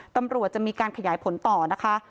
ตำรวจจะมีการขยายผลต่อนะคะ